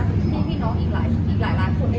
ที่พี่น้องอีกหลายหลายคนได้เจอได้